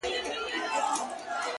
• قربان د ډار له کيفيته چي رسوا يې کړم؛